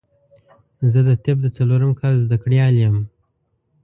زه د طب د څلورم کال زده کړيال يم